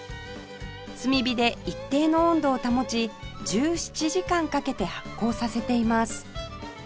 炭火で一定の温度を保ち１７時間かけて発酵させています